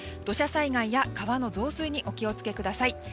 土砂災害や川の増水にお気を付けください。